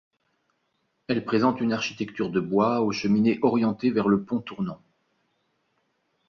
Elle présente une architecture de bois aux cheminées orientées vers le pont tournant.